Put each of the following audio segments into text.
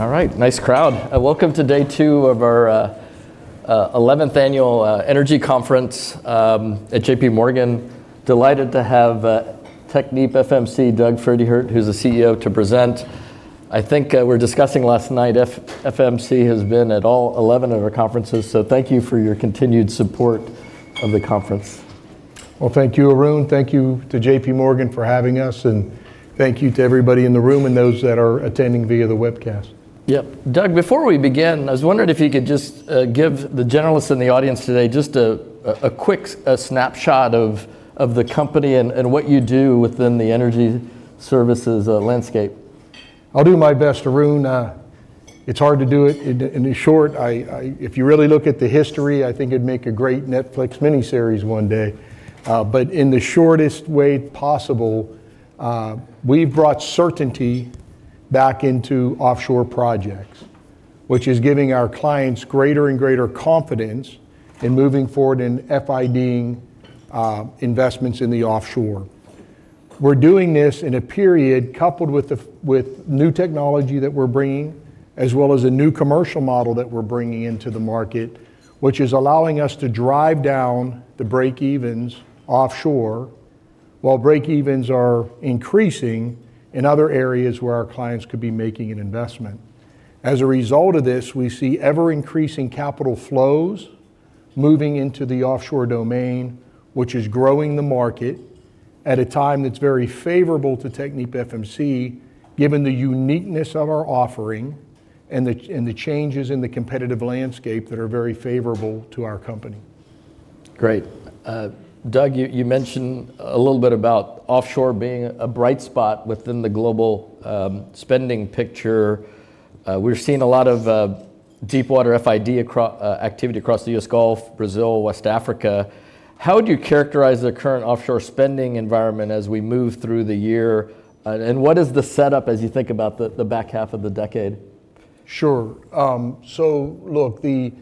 All right. Nice crowd. Welcome to day two of our 11th annual energy conference at JPMorgan. Delighted to have TechnipFMC, Doug Pferdehirt, who's the CEO, to present. I think we were discussing last night, TechnipFMC has been at all 11 of our conferences, so thank you for your continued support of the conference. Well, thank you, Arun. Thank you to JPMorgan for having us, and thank you to everybody in the room and those that are attending via the webcast. Yep. Doug, before we begin, I was wondering if you could just give the journalists in the audience today just a quick snapshot of the company and what you do within the energy services landscape. I'll do my best, Arun. It's hard to do it. If you really look at the history, I think it'd make a great Netflix miniseries one day. In the shortest way possible, we've brought certainty back into offshore projects, which is giving our clients greater and greater confidence in moving forward in FID-ing investments in the offshore. We're doing this in a period coupled with new technology that we're bringing, as well as a new commercial model that we're bringing into the market, which is allowing us to drive down the breakevens offshore while breakevens are increasing in other areas where our clients could be making an investment. As a result of this, we see ever-increasing capital flows moving into the offshore domain, which is growing the market at a time that's very favorable to TechnipFMC, given the uniqueness of our offering and the changes in the competitive landscape that are very favorable to our company. Great. Doug, you mentioned a little bit about offshore being a bright spot within the global spending picture. We're seeing a lot of deep-water FID activity across the U.S. Gulf, Brazil, West Africa. How would you characterize the current offshore spending environment as we move through the year, and what is the setup as you think about the back half of the decade? Sure. Look, the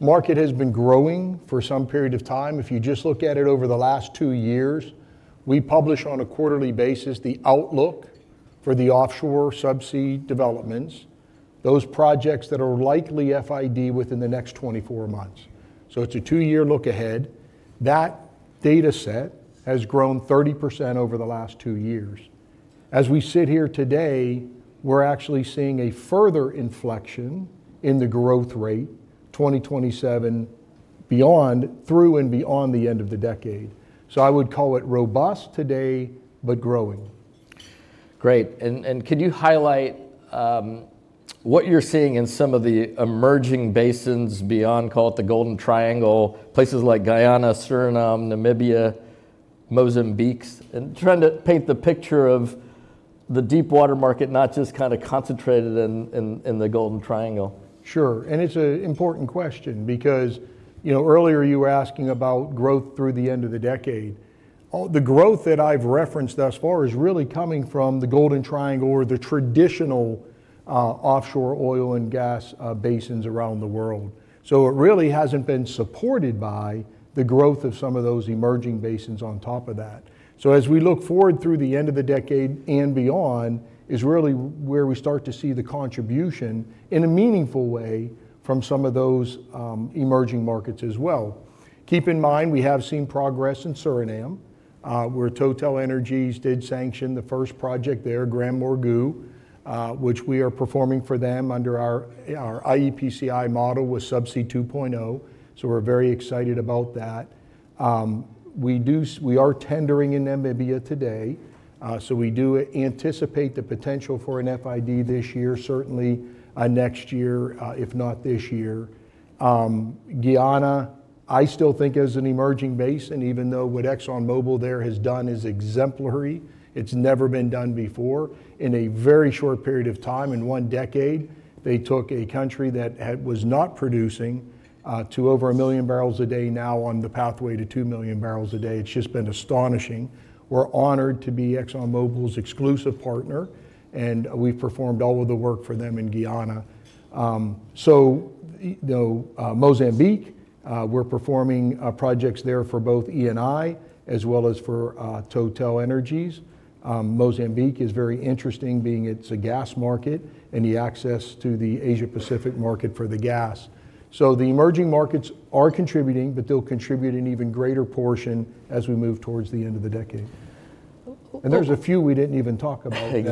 market has been growing for some period of time. If you just look at it over the last two years, we publish on a quarterly basis the outlook for the offshore subsea developments, those projects that are likely FID within the next 24 months. It's a two-year look ahead. That data set has grown 30% over the last two years. As we sit here today, we're actually seeing a further inflection in the growth rate, 2027 through and beyond the end of the decade. I would call it robust today, but growing. Great. Could you highlight what you're seeing in some of the emerging basins beyond, call it the Golden Triangle, places like Guyana, Suriname, Namibia, Mozambique, and trying to paint the picture of the deepwater market, not just kind of concentrated in the Golden Triangle. Sure. It's an important question because earlier you were asking about growth through the end of the decade. The growth that I've referenced thus far is really coming from the Golden Triangle or the traditional offshore oil and gas basins around the world. It really hasn't been supported by the growth of some of those emerging basins on top of that. As we look forward through the end of the decade and beyond is really where we start to see the contribution in a meaningful way from some of those emerging markets as well. Keep in mind, we have seen progress in Suriname, where TotalEnergies did sanction the first project there, GranMorgu, which we are performing for them under our EPCI model with Subsea 2.0. We're very excited about that. We are tendering in Namibia today. We do anticipate the potential for an FID this year, certainly next year, if not this year. Guyana, I still think, is an emerging basin, even though what ExxonMobil there has done is exemplary. It's never been done before. In a very short period of time, in one decade, they took a country that was not producing to over 1 million barrels a day now on the pathway to 2 million barrels a day. It's just been astonishing. We're honored to be ExxonMobil's exclusive partner, and we've performed all of the work for them in Guyana. Mozambique, we're performing projects there for both Eni as well as for TotalEnergies. Mozambique is very interesting being it's a gas market and the access to the Asia-Pacific market for the gas. The emerging markets are contributing, but they'll contribute an even greater portion as we move towards the end of the decade. There's a few we didn't even talk about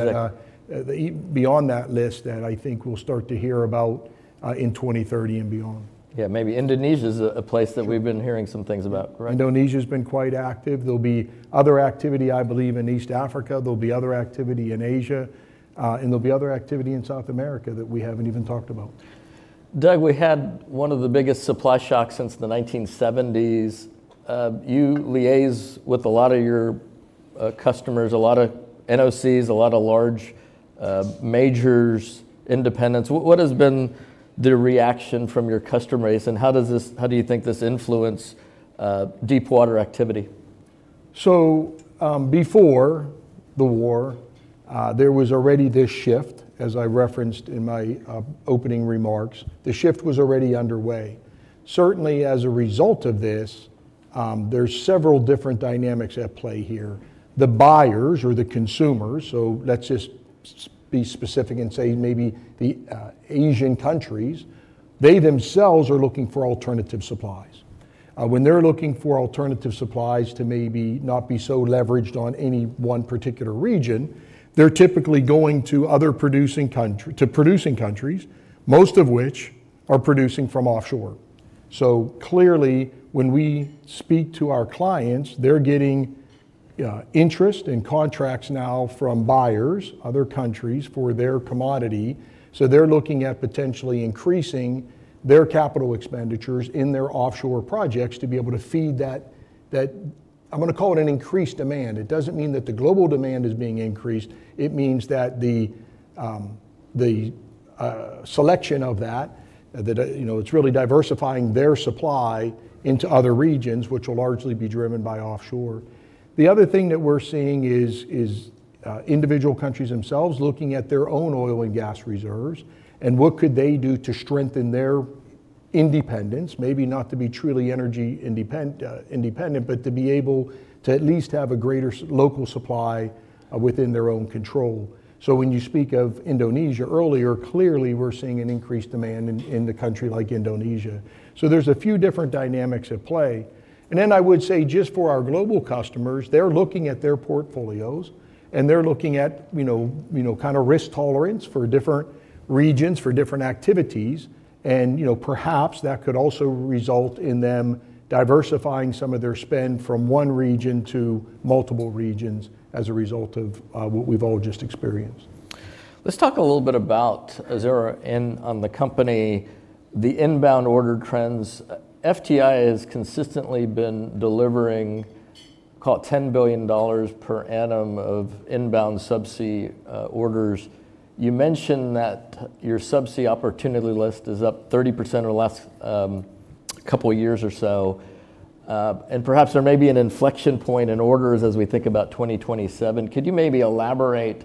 beyond that list that I think we'll start to hear about in 2030 and beyond. Yeah. Maybe Indonesia is a place that we've been hearing some things about, correct? Indonesia's been quite active. There'll be other activity, I believe, in East Africa. There'll be other activity in Asia. There'll be other activity in South America that we haven't even talked about. Doug, we had one of the biggest supply shocks since the 1970s. You liaise with a lot of your customers, a lot of NOCs, a lot of large majors, independents. What has been the reaction from your customer base, and how do you think this influence deep-water activity? Before the war, there was already this shift, as I referenced in my opening remarks. The shift was already underway. Certainly as a result of this, there's several different dynamics at play here. The buyers or the consumers, let's just be specific and say maybe the Asian countries, they themselves are looking for alternative supplies. When they're looking for alternative supplies to maybe not be so leveraged on any one particular region, they're typically going to producing countries, most of which are producing from offshore. Clearly, when we speak to our clients, they're getting interest and contracts now from buyers, other countries, for their commodity. They're looking at potentially increasing their capital expenditures in their offshore projects to be able to feed that, I'm going to call it an increased demand. It doesn't mean that the global demand is being increased. It means that the selection of that, it's really diversifying their supply into other regions, which will largely be driven by offshore. The other thing that we're seeing is individual countries themselves looking at their own oil and gas reserves and what could they do to strengthen their independence. Maybe not to be truly energy independent, but to be able to at least have a greater local supply within their own control. When you speak of Indonesia earlier, clearly we're seeing an increased demand in a country like Indonesia. There's a few different dynamics at play. I would say just for our global customers, they're looking at their portfolios and they're looking at risk tolerance for different regions, for different activities, and perhaps that could also result in them diversifying some of their spend from one region to multiple regions as a result of what we've all just experienced. Let's talk a little bit about, as they were on the company, the inbound order trends. FTI has consistently been delivering, call it $10 billion per annum of inbound subsea orders. You mentioned that your subsea opportunity list is up 30% or less couple of years or so. Perhaps there may be an inflection point in orders as we think about 2027. Could you maybe elaborate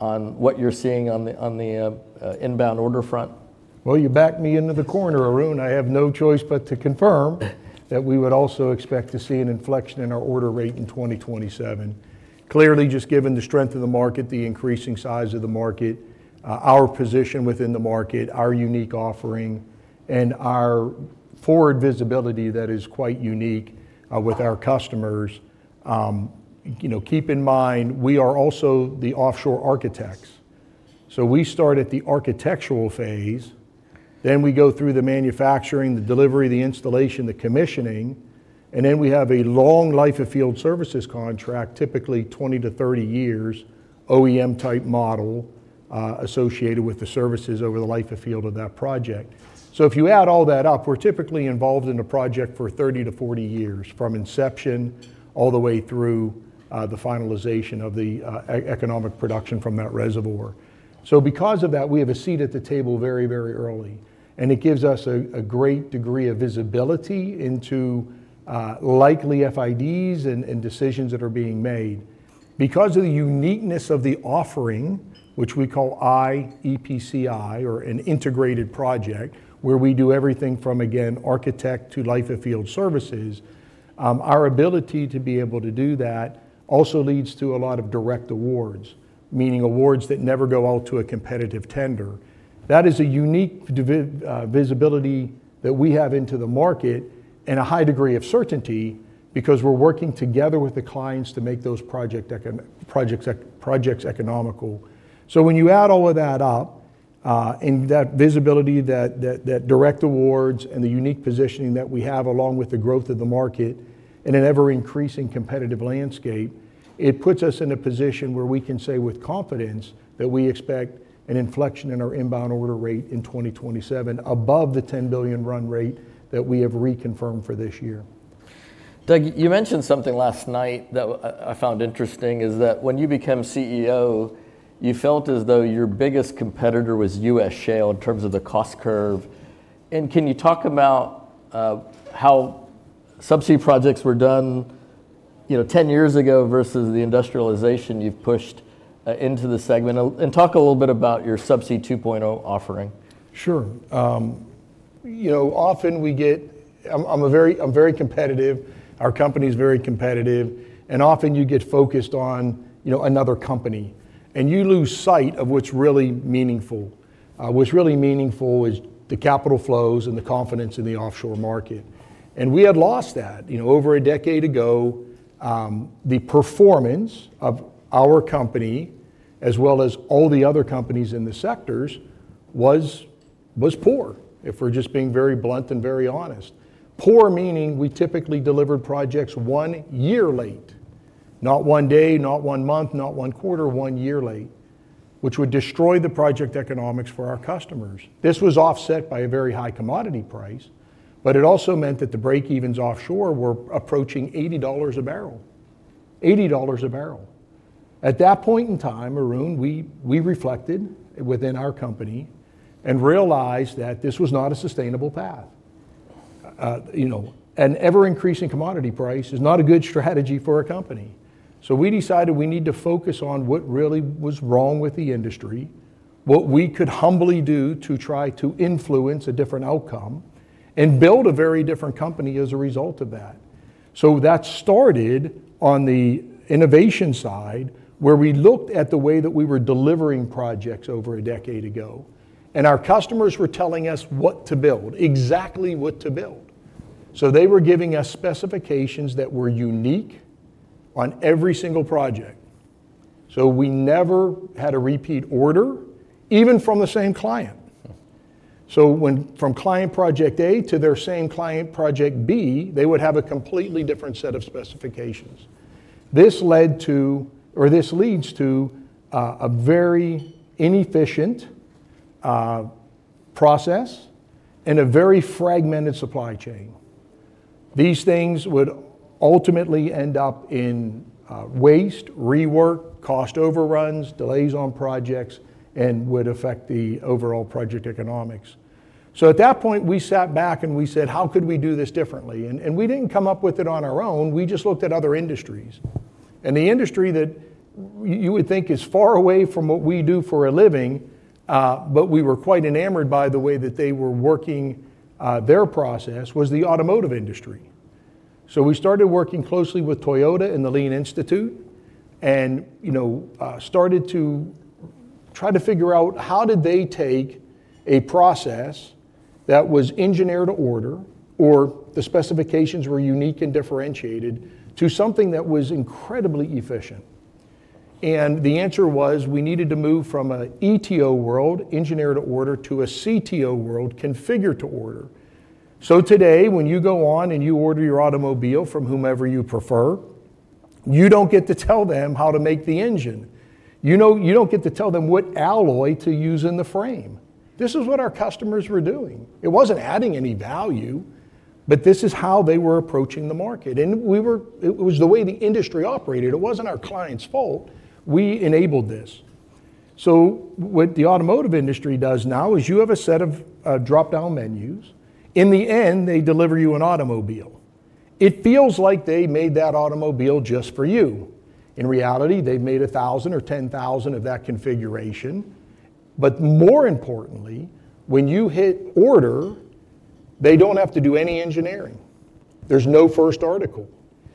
on what you're seeing on the inbound order front? Well, you backed me into the corner, Arun. I have no choice but to confirm that we would also expect to see an inflection in our order rate in 2027. Clearly, just given the strength of the market, the increasing size of the market, our position within the market, our unique offering, and our forward visibility that is quite unique with our customers. Keep in mind, we are also the offshore architects. We start at the architectural phase, then we go through the manufacturing, the delivery, the installation, the commissioning, and then we have a long life-of-field services contract, typically 20 to 30 years, OEM-type model, associated with the services over the life of field of that project. If you add all that up, we're typically involved in a project for 30 to 40 years, from inception all the way through the finalization of the economic production from that reservoir. Because of that, we have a seat at the table very early, and it gives us a great degree of visibility into likely FIDs and decisions that are being made. Because of the uniqueness of the offering, which we call iEPCI™ or an integrated project, where we do everything from, again, architect to life-of-field services. Our ability to be able to do that also leads to a lot of direct awards, meaning awards that never go out to a competitive tender. That is a unique visibility that we have into the market and a high degree of certainty because we're working together with the clients to make those projects economical. When you add all of that up, and that visibility, that direct awards, and the unique positioning that we have, along with the growth of the market in an ever-increasing competitive landscape, it puts us in a position where we can say with confidence that we expect an inflection in our inbound order rate in 2027 above the $10 billion run rate that we have reconfirmed for this year. Doug, you mentioned something last night that I found interesting, is that when you became CEO, you felt as though your biggest competitor was US Shale in terms of the cost curve. Can you talk about how subsea projects were done 10 years ago versus the industrialization you've pushed into the segment? Talk a little bit about your Subsea 2.0® offering. Sure. I'm very competitive. Our company is very competitive, and often you get focused on another company, and you lose sight of what's really meaningful. What's really meaningful is the capital flows and the confidence in the offshore market, and we had lost that. Over a decade ago, the performance of our company, as well as all the other companies in the sectors, was poor, if we're just being very blunt and very honest. Poor meaning we typically delivered projects one year late. Not one day, not one month, not one quarter, one year late, which would destroy the project economics for our customers. This was offset by a very high commodity price, but it also meant that the break-evens offshore were approaching $80 a barrel. $80 a barrel. At that point in time, Arun, we reflected within our company and realized that this was not a sustainable path. We decided we need to focus on what really was wrong with the industry. What we could humbly do to try to influence a different outcome and build a very different company as a result of that. That started on the innovation side, where we looked at the way that we were delivering projects over a decade ago, and our customers were telling us what to build, exactly what to build. They were giving us specifications that were unique on every single project. We never had a repeat order, even from the same client. From client project A to their same client project B, they would have a completely different set of specifications. This leads to a very inefficient process and a very fragmented supply chain. These things would ultimately end up in waste, rework, cost overruns, delays on projects, and would affect the overall project economics. At that point, we sat back and we said, "How could we do this differently?" We didn't come up with it on our own. We just looked at other industries. The industry that you would think is far away from what we do for a living, but we were quite enamored by the way that they were working their process, was the automotive industry. We started working closely with Toyota and the Lean Institute and started to try to figure out how did they take a process that was engineered to order, or the specifications were unique and differentiated, to something that was incredibly efficient. The answer was we needed to move from an ETO world, engineer to order, to a CTO world, configure to order. Today, when you go on and you order your automobile from whomever you prefer, you don't get to tell them how to make the engine. You don't get to tell them what alloy to use in the frame. This is what our customers were doing. It wasn't adding any value, but this is how they were approaching the market. It was the way the industry operated. It wasn't our clients' fault. We enabled this. What the automotive industry does now is you have a set of drop-down menus. In the end, they deliver you an automobile. It feels like they made that automobile just for you. In reality, they've made 1,000 or 10,000 of that configuration. More importantly, when you hit order, they don't have to do any engineering. There's no first article.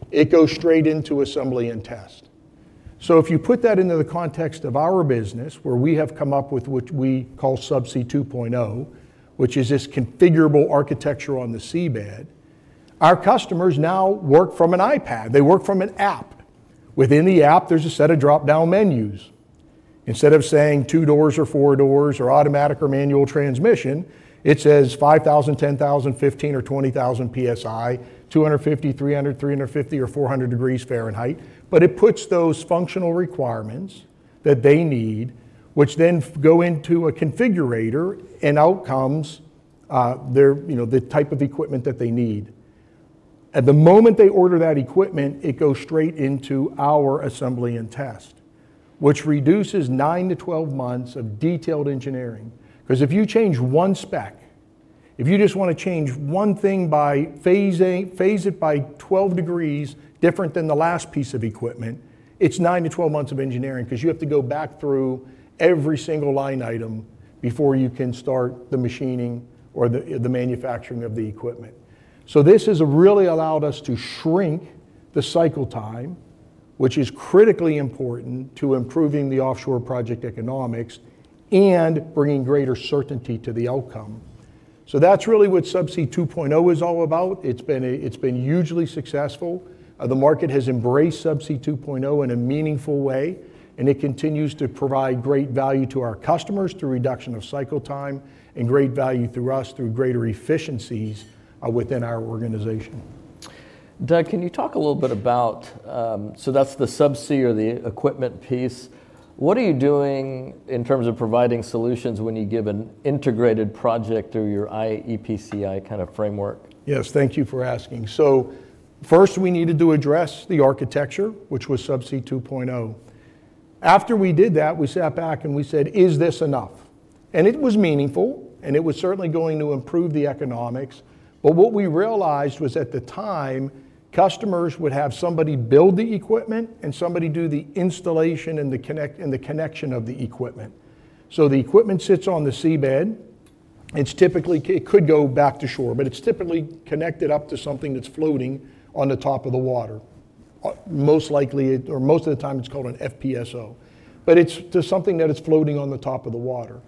It goes straight into assembly and test. If you put that into the context of our business, where we have come up with what we call Subsea 2.0, which is this configurable architecture on the seabed, our customers now work from an iPad. They work from an app. Within the app, there's a set of drop-down menus. Instead of saying two doors or four doors or automatic or manual transmission, it says 5,000, 10,000, 15,000 or 20,000 PSI, 250, 300, 350, or 400 degrees Fahrenheit. It puts those functional requirements that they need, which then go into a configurator, and out comes the type of equipment that they need. At the moment they order that equipment, it goes straight into our assembly and test, which reduces 9-12 months of detailed engineering. If you change one spec, if you just want to change one thing by phase it by 12 degrees different than the last piece of equipment, it's 9-12 months of engineering because you have to go back through every single line item before you can start the machining or the manufacturing of the equipment. This has really allowed us to shrink the cycle time, which is critically important to improving the offshore project economics and bringing greater certainty to the outcome. That's really what Subsea 2.0® is all about. It's been hugely successful. The market has embraced Subsea 2.0® in a meaningful way, and it continues to provide great value to our customers through reduction of cycle time and great value through us through greater efficiencies within our organization. Doug, that's the subsea or the equipment piece. What are you doing in terms of providing solutions when you give an integrated project through your iEPCI™ kind of framework? Yes. Thank you for asking. First, we needed to address the architecture, which was Subsea 2.0®. After we did that, we sat back and we said, "Is this enough?" It was meaningful, and it was certainly going to improve the economics. What we realized was at the time, customers would have somebody build the equipment and somebody do the installation and the connection of the equipment. The equipment sits on the seabed. It could go back to shore, but it's typically connected up to something that's floating on the top of the water. Most of the time, it's called an FPSO. It's just something that is floating on the top of the water.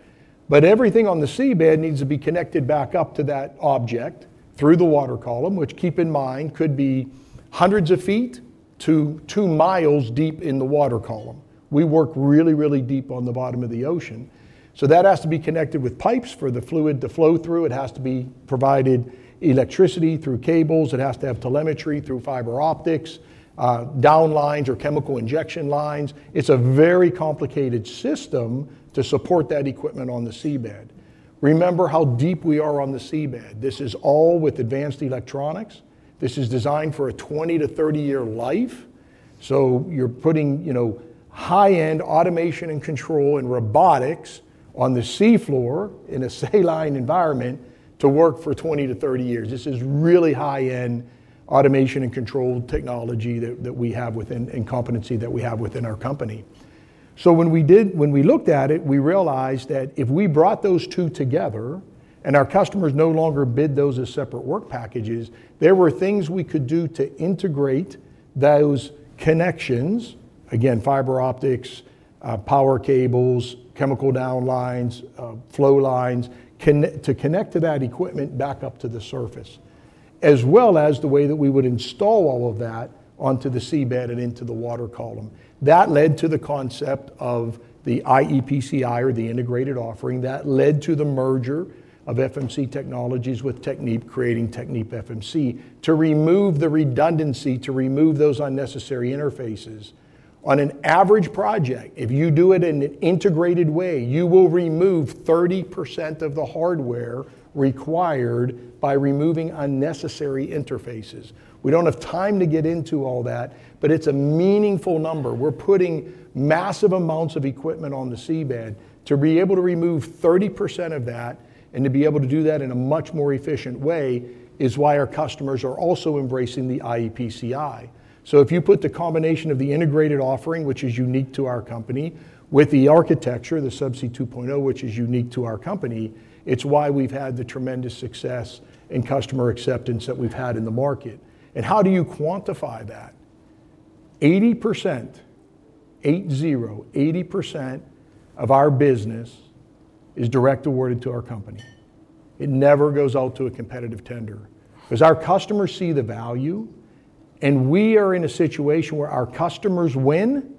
Everything on the seabed needs to be connected back up to that object through the water column, which keep in mind, could be hundreds of feet to 2 miles deep in the water column. We work really, really deep on the bottom of the ocean. That has to be connected with pipes for the fluid to flow through. It has to be provided electricity through cables. It has to have telemetry through fiber optics, downlines or chemical injection lines. It's a very complicated system to support that equipment on the seabed. Remember how deep we are on the seabed. This is all with advanced electronics. This is designed for a 20- to 30-year life. You're putting high-end automation and control and robotics on the sea floor in a saline environment to work for 20 to 30 years. This is really high-end automation and control technology that we have and competency that we have within our company. When we looked at it, we realized that if we brought those two together, and our customers no longer bid those as separate work packages, there were things we could do to integrate those connections. Again, fiber optics, power cables, chemical down lines, flow lines, to connect to that equipment back up to the surface, as well as the way that we would install all of that onto the seabed and into the water column. That led to the concept of the iEPCI™, or the integrated offering, that led to the merger of FMC Technologies with Technip, creating TechnipFMC, to remove the redundancy, to remove those unnecessary interfaces. On an average project, if you do it in an integrated way, you will remove 30% of the hardware required by removing unnecessary interfaces. We don't have time to get into all that, but it's a meaningful number. We're putting massive amounts of equipment on the seabed. To be able to remove 30% of that and to be able to do that in a much more efficient way is why our customers are also embracing the iEPCI™. If you put the combination of the integrated offering, which is unique to our company, with the architecture, the Subsea 2.0®, which is unique to our company, it's why we've had the tremendous success and customer acceptance that we've had in the market. How do you quantify that? 80% of our business is direct awarded to our company. It never goes out to a competitive tender, because our customers see the value, and we are in a situation where our customers win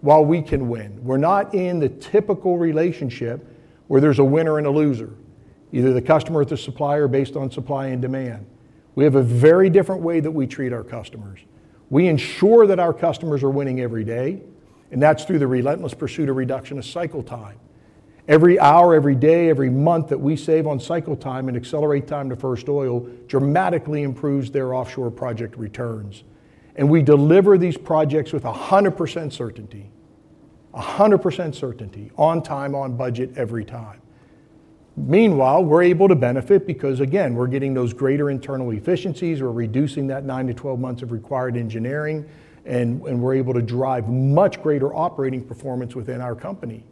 while we can win. We're not in the typical relationship where there's a winner and a loser, either the customer or the supplier, based on supply and demand. We have a very different way that we treat our customers. We ensure that our customers are winning every day, and that's through the relentless pursuit of reduction of cycle time. Every hour, every day, every month that we save on cycle time and accelerate time to first oil dramatically improves their offshore project returns. We deliver these projects with 100% certainty, on time, on budget, every time. We're able to benefit because, again, we're getting those greater internal efficiencies, we're reducing that nine to 12 months of required engineering, and we're able to drive much greater operating performance within our company.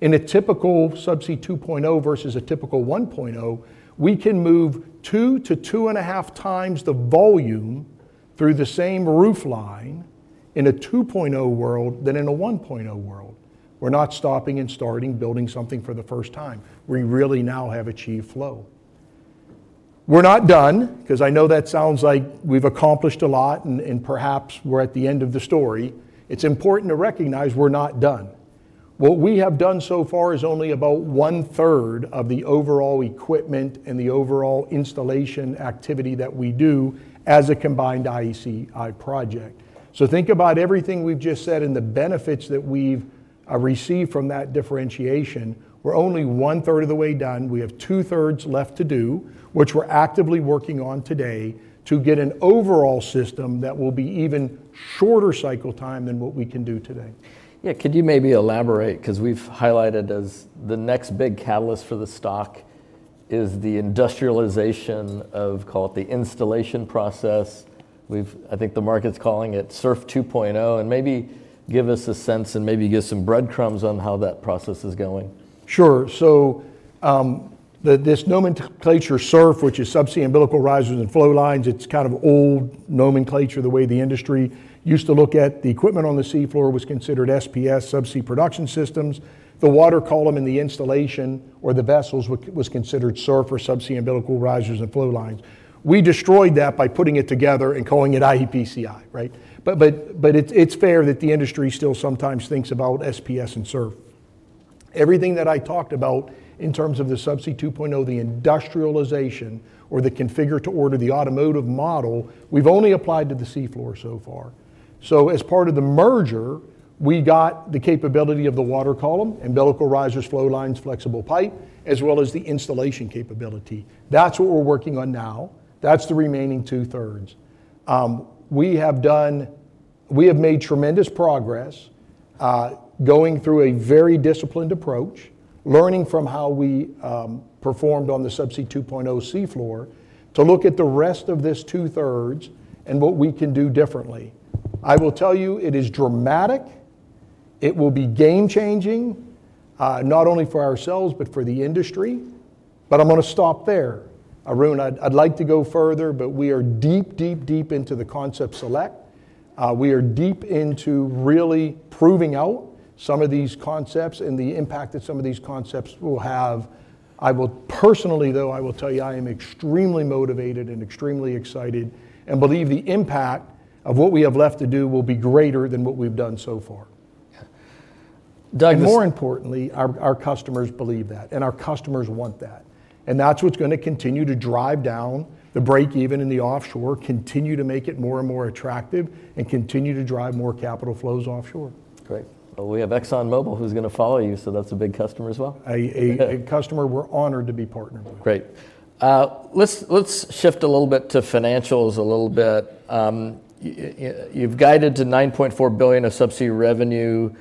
In a typical Subsea 2.0® versus a typical 1.0, we can move two to two and a half times the volume through the same roof line in a 2.0 world than in a 1.0 world. We're not stopping and starting building something for the first time. We really now have achieved flow. We're not done, because I know that sounds like we've accomplished a lot and perhaps we're at the end of the story. It's important to recognize we're not done. What we have done so far is only about one third of the overall equipment and the overall installation activity that we do as a combined iEPCI™ project. Think about everything we've just said and the benefits that we've received from that differentiation. We're only one third of the way done. We have two thirds left to do, which we're actively working on today to get an overall system that will be even shorter cycle time than what we can do today. Yeah. Could you maybe elaborate, because we've highlighted as the next big catalyst for the stock is the industrialization of, call it the installation process. I think the market's calling it SURF 2.0, and maybe give us a sense and maybe give some breadcrumbs on how that process is going. Sure. This nomenclature, SURF, which is Subsea Umbilicals, Risers, and Flowlines, it's kind of old nomenclature. The way the industry used to look at the equipment on the sea floor was considered SPS, subsea production systems. The water column in the installation or the vessels was considered SURF, or Subsea Umbilicals, Risers, and Flowlines. We destroyed that by putting it together and calling it iEPCI™. Right? It's fair that the industry still sometimes thinks about SPS and SURF. Everything that I talked about in terms of the Subsea 2.0, the industrialization or the configure to order the automotive model, we've only applied to the sea floor so far. As part of the merger, we got the capability of the water column, umbilical risers, flow lines, flexible pipe, as well as the installation capability. That's what we're working on now. That's the remaining two thirds. We have made tremendous progress, going through a very disciplined approach, learning from how we performed on the Subsea 2.0® seafloor to look at the rest of this two-thirds and what we can do differently. I will tell you, it is dramatic. It will be game changing, not only for ourselves, but for the industry. I'm going to stop there. Arun, I'd like to go further, but we are deep into the concept select. We are deep into really proving out some of these concepts and the impact that some of these concepts will have. Personally, though, I will tell you, I am extremely motivated and extremely excited and believe the impact of what we have left to do will be greater than what we've done so far. More importantly, our customers believe that, and our customers want that. That's what's going to continue to drive down the breakeven in the offshore, continue to make it more and more attractive, and continue to drive more capital flows offshore. Great. We have ExxonMobil who's going to follow you, so that's a big customer as well. A customer we're honored to be partnered with. Great. Let's shift a little bit to financials a little bit. You've guided to $9.4 billion of Subsea revenue,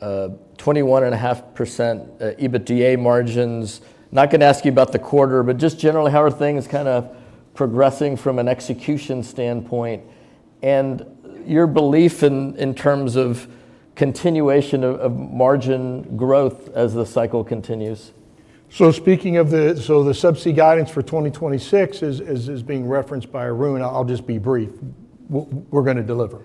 21.5% EBITDA margins. Not going to ask you about the quarter, but just generally, how are things kind of progressing from an execution standpoint, your belief in terms of continuation of margin growth as the cycle continues. Speaking of the Subsea guidance for 2026, as is being referenced by Arun, I'll just be brief. We're going to deliver.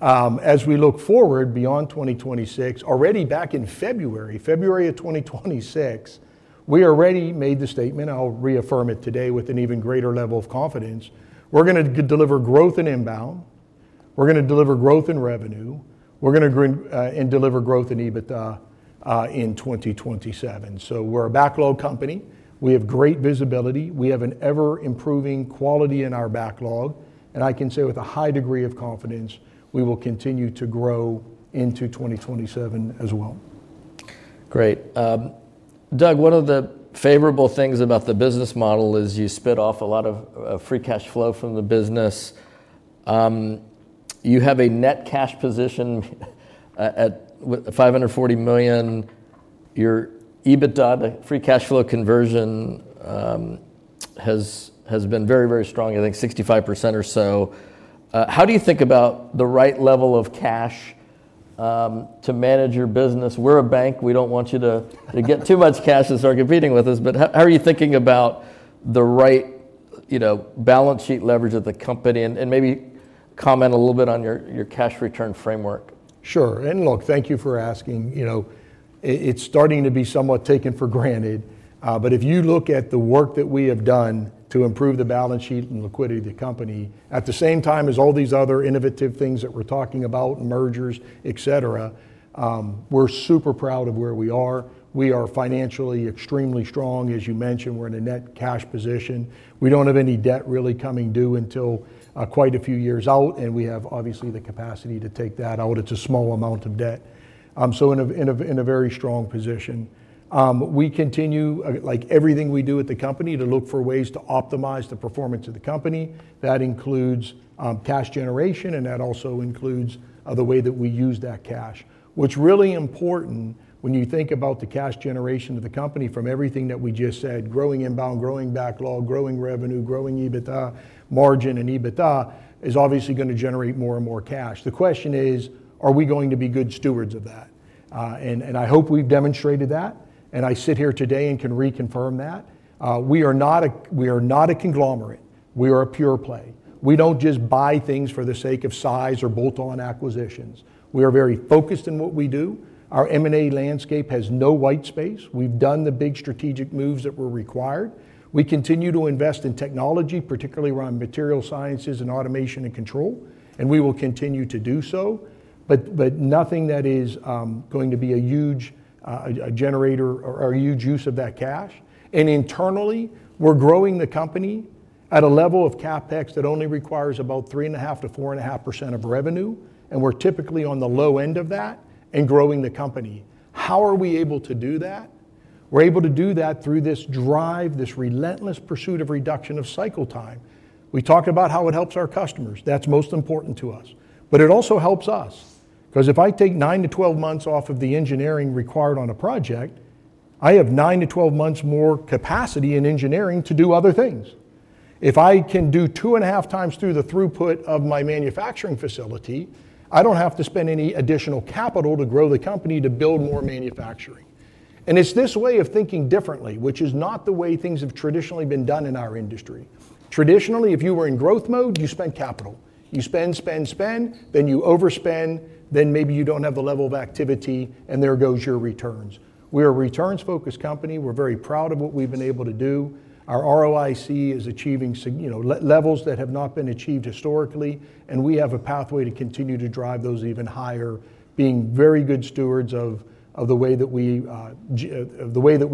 As we look forward beyond 2026, already back in February 2026, we already made the statement, I'll reaffirm it today with an even greater level of confidence, we're going to deliver growth in inbound. We're going to deliver growth in revenue. We're going to deliver growth in EBITDA in 2027. We're a backlog company. We have great visibility. We have an ever-improving quality in our backlog, and I can say with a high degree of confidence, we will continue to grow into 2027 as well. Great. Doug, one of the favorable things about the business model is you spit off a lot of free cash flow from the business. You have a net cash position at $540 million. Your EBITDA, free cash flow conversion, has been very strong, I think 65% or so. How do you think about the right level of cash to manage your business? We're a bank. We don't want you to get too much cash and start competing with us. How are you thinking about the right balance sheet leverage of the company? Maybe comment a little bit on your cash return framework. Sure. Look, thank you for asking. It's starting to be somewhat taken for granted. If you look at the work that we have done to improve the balance sheet and liquidity of the company, at the same time as all these other innovative things that we're talking about, mergers, et cetera, we're super proud of where we are. We are financially extremely strong. As you mentioned, we're in a net cash position. We don't have any debt really coming due until quite a few years out, and we have, obviously, the capacity to take that out. It's a small amount of debt. In a very strong position. We continue, like everything we do at the company, to look for ways to optimize the performance of the company. That includes cash generation, that also includes the way that we use that cash. What's really important when you think about the cash generation of the company from everything that we just said, growing inbound, growing backlog, growing revenue, growing EBITDA margin and EBITDA, is obviously going to generate more and more cash. The question is, are we going to be good stewards of that? I hope we've demonstrated that, and I sit here today and can reconfirm that. We are not a conglomerate. We are a pure play. We don't just buy things for the sake of size or bolt-on acquisitions. We are very focused on what we do. Our M&A landscape has no white space. We've done the big strategic moves that were required. We continue to invest in technology, particularly around material sciences and automation and control, we will continue to do so. Nothing that is going to be a huge generator or a huge use of that cash. Internally, we're growing the company at a level of CapEx that only requires about 3.5%-4.5% of revenue, and we're typically on the low end of that and growing the company. How are we able to do that? We're able to do that through this drive, this relentless pursuit of reduction of cycle time. We talk about how it helps our customers. That's most important to us. It also helps us because if I take 9-12 months off of the engineering required on a project, I have 9-12 months more capacity in engineering to do other things. If I can do two and a half times through the throughput of my manufacturing facility, I don't have to spend any additional capital to grow the company to build more manufacturing. It's this way of thinking differently, which is not the way things have traditionally been done in our industry. Traditionally, if you were in growth mode, you spent capital. You spend, spend, then you overspend, then maybe you don't have the level of activity, and there goes your returns. We're a returns-focused company. We're very proud of what we've been able to do. Our ROIC is achieving levels that have not been achieved historically, and we have a pathway to continue to drive those even higher, being very good stewards of the way that we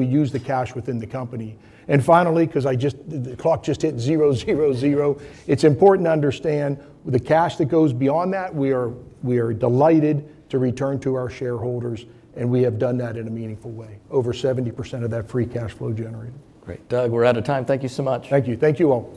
use the cash within the company. Finally, because the clock just hit zero zero zero, it's important to understand the cash that goes beyond that, we are delighted to return to our shareholders, and we have done that in a meaningful way, over 70% of that free cash flow generated. Great. Doug, we're out of time. Thank you so much. Thank you. Thank you all.